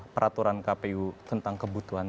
peraturan kpu tentang kebutuhan